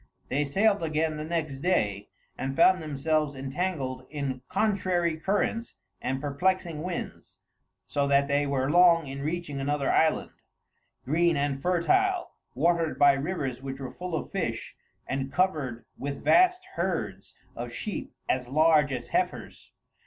They sailed again the next day, and found themselves entangled in contrary currents and perplexing winds, so that they were long in reaching another island, green and fertile, watered by rivers which were full of fish, and covered with vast herds of sheep as large as heifers.